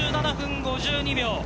５７分５２秒。